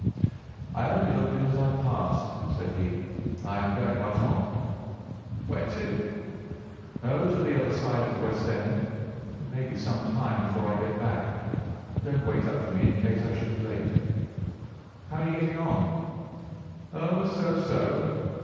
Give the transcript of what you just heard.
"I only looked in as I passed," said he. "I am going right on." "Where to?" "Oh, to the other side of the West End. It may be some time before I get back. Don't wait up for me in case I should be late." "How are you getting on?" "Oh, so so.